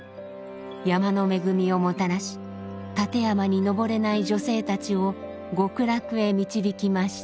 山の恵みをもたらし立山に登れない女性たちを極楽へ導きました。